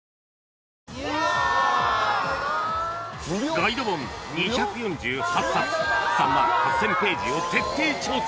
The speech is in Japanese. ［ガイド本２４８冊３万８，０００ページを徹底調査］